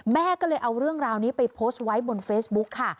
แม่ก็เลยเอาเรื่องราวนี้ไปโพสต์ไว้บนเฟซบุ๊กค่ะ